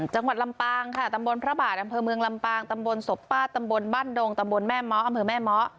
จังหวัดลำปางค่ะตำบลพระบาทอำเภอเมืองลำปางตำบลศพป้าตำบลบ้านดงตำบลแม่เมาะอำเภอแม่เมาะ